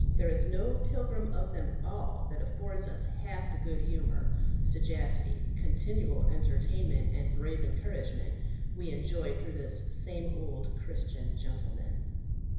there is no pilgrim of them all that affords us half the good humour, sagacity, continual entertainment, and brave encouragement we enjoy through this same old Christian gentleman.